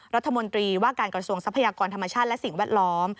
รัฐมนตรีว่าการกระทรวงทรัพยากรธรรมชาติและสิ่งแวดล้อม